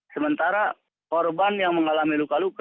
sementara korban yang mengalami